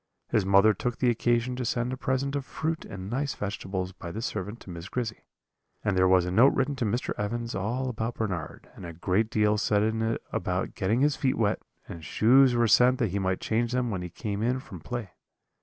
His mother took the occasion to send a present of fruit and nice vegetables by this servant to Miss Grizzy; and there was a note written to Mr. Evans all about Bernard, and a great deal said in it about getting his feet wet; and shoes were sent that he might change them when he came in from play.